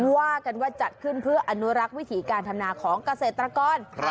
ว่ากันว่าจัดขึ้นเพื่ออนุรักษ์วิถีการทำนาของเกษตรกร